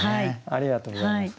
ありがとうございます。